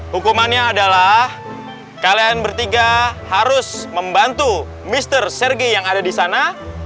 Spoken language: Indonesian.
hukumannya adalah kalian bertiga harus membantu mr sergei yang ada di sana